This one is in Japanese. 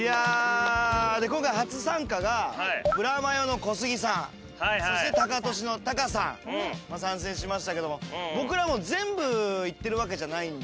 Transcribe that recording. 今回初参加がブラマヨの小杉さんそしてタカトシのタカさん参戦しましたけども僕らも全部行ってるわけじゃないんで。